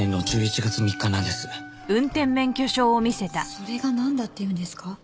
それがなんだっていうんですか？